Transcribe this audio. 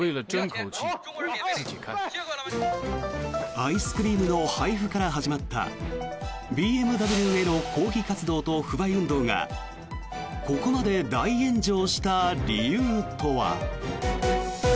アイスクリームの配布から始まったＢＭＷへの抗議活動と不買運動がここまで大炎上した理由とは。